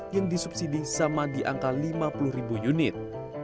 yang disubsidi sama di angka lima puluh ribu unit